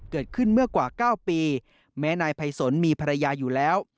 เกิดขึ้นเมื่อกว่า๙ปีแม้นายภัยสนมีภรรยาอยู่แล้ว